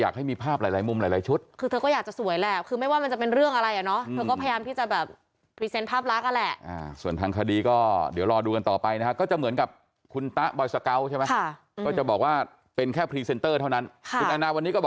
เขาต่อมองต่อมออีกชุดหนึ่ง